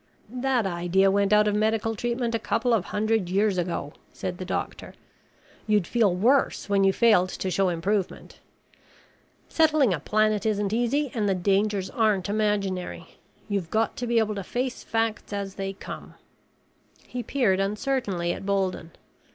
"That idea went out of medical treatment a couple of hundred years ago," said the doctor. "You'd feel worse when you failed to show improvement. Settling a planet isn't easy and the dangers aren't imaginary. You've got to be able to face facts as they come." He peered uncertainly at Bolden.